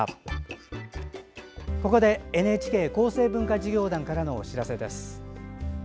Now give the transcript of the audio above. ここでＮＨＫ厚生文化事業団からお知らせです。